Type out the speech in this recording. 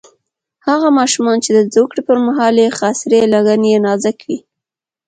هغه ماشومان چې د زوکړې پر مهال یې خاصرې لګن یې نازک وي.